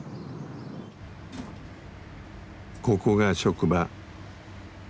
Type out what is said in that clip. ここが職場。